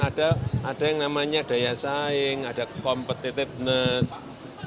ada yang namanya daya saing ada competitiveness